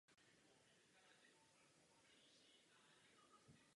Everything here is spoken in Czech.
Dva nejlepší týmy ze třetích míst postoupily také do čtvrtfinále.